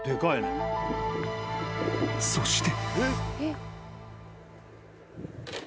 ［そして］